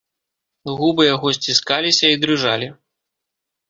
Губы яго сціскаліся і дрыжалі.